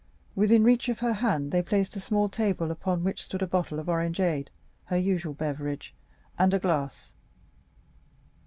Within reach of her hand they placed a small table upon which stood a bottle of orangeade, her usual beverage, and a glass.